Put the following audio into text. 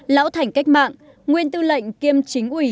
lão thảnh cách mạng nguyên tư lệnh kiêm chính ủy